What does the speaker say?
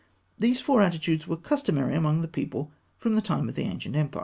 These four attitudes were customary among the people from the time of the ancient empire.